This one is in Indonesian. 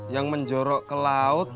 yang menjorok ke laut